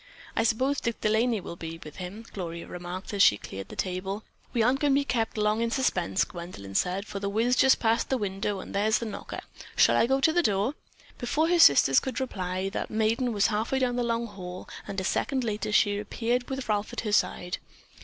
"I suppose that Dick De Laney will be with him," Gloria remarked as she cleared the table. "We aren't going to be kept long in suspense," Gwendolyn said, "for The Whizz just passed the window and there's the knocker. Shall I go to the door?" Before her sisters could reply, that maiden was half way down the long hall, and a second later she reappeared with Ralph at her side.